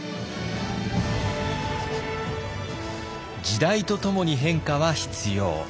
時代とともに変化は必要。